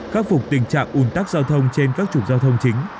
khắc phục tình trạng ùn tắc giao thông trên các chủng giao thông chính